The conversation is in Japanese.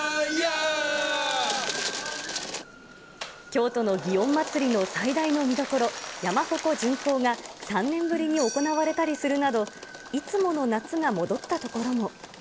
京都の祇園祭の最大の見どころ、山鉾巡行が３年ぶりに行われたりするなど、いつもの夏が戻ったところも。